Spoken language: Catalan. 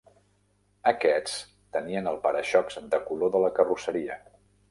Aquests tenien el para-xocs del color de la carrosseria.